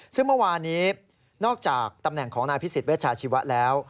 ซึ่งเมื่อวานี้นอกจากตำแหน่งของนายพิสิทธเวชาชีวะแล้ว